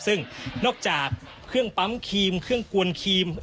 ซึ่งนอกจากเครื่องปั๊มครีมเครื่องกวนครีม